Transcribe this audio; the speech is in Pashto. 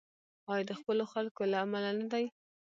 آیا د خپلو خلکو له امله نه دی؟